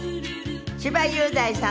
千葉雄大さんです。